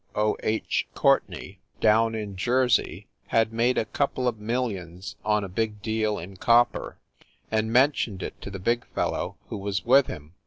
O H. Courtenay, down in Jersey, had made a couple of millions on a big deal in cop per, and mentioned it to the big fellow who was with him.